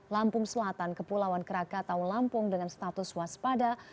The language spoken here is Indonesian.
lampung selatan ke pulauan krakatau lampung dengan status waspada